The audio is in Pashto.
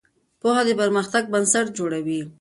پوهه د پرمختګ بنسټ جوړوي.